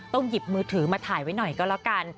หยิบมือถือมาถ่ายไว้หน่อยก็แล้วกัน